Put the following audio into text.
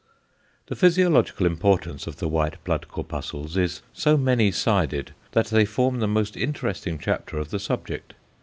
The physiological importance of the white blood corpuscles is so many sided that they form the most interesting chapter of the subject.